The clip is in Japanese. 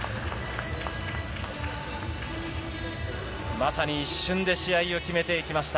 まさに一瞬で試合を決めていきました。